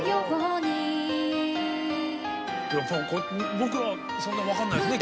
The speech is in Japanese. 僕はそんな分かんないですね